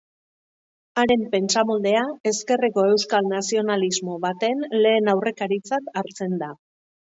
Haren pentsamoldea, ezkerreko euskal nazionalismo baten lehen aurrekaritzat hartzen da.